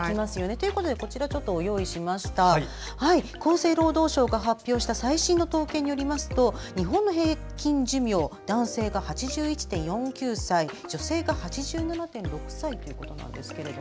ということで、こちら厚生労働省が発表した最新の統計によりますと日本の平均寿命男性が８１．４９歳女性が８７．６歳ということです。